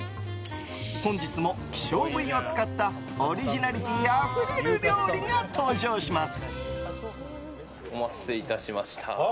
本日も希少部位を使ったオリジナリティーあふれる料理が登場します。